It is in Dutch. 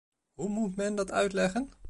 Hoe moet men dat uitleggen?